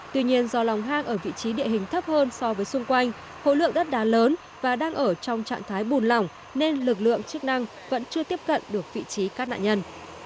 tuy nhiên do lòng hang ở vị trí địa hình thấp hơn so với xung quanh hộ lượng đất đá lớn và đang ở trong trạng thái bùn lỏng nên lực lượng chức năng vẫn chưa tiếp cận được vị trí các nạn nhân